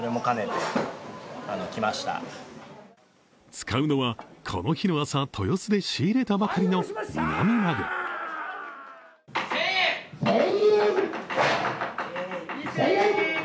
使うのは、この日の朝、豊洲で仕入れたばかりのミナミマグロ。